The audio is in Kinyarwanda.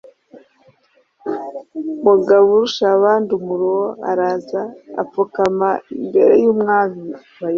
”mugaburushabandumuruho araza apfukama imbere y' umwami,